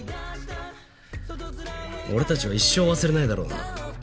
俺たちは一生忘れないだろうな。